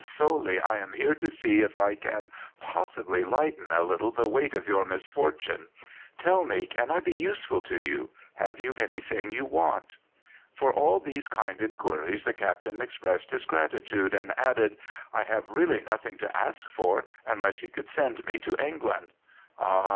Solely I am here to see if I can possibly lighten a little the weight of your misfortune. Tell me, can I be useful to you? Have you everything you want?" For all these kind inquiries the Captain expressed his gratitude, and added, "I have really nothing to ask for, unless you could send me to England." "Ah!